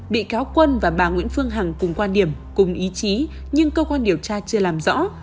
bị cáo quân và bà nguyễn phương hằng cùng quan điểm cùng ý chí nhưng cơ quan điều tra chưa làm rõ